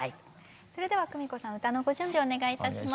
それではクミコさん歌のご準備をお願いいたします。